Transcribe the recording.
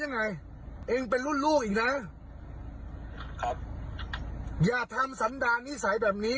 เลิกซะเองจะไม่มีสันตานิสัยแบบนี้